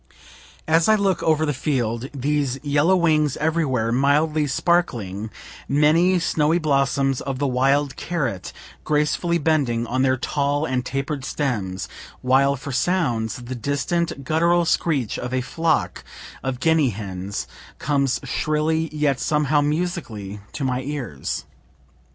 As I look over the field, these yellow wings everywhere mildly sparkling, many snowy blossoms of the wild carrot gracefully bending on their tall and taper stems while for sounds, the distant guttural screech of a flock of guinea hens comes shrilly yet somehow musically to my ears.